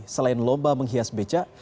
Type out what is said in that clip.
selain lomba menghias beca